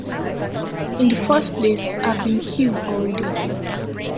In the first place I've been ill all day.